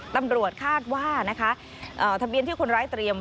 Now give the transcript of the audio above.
ตำรวจคาดว่านะคะทะเบียนที่คนร้ายเตรียม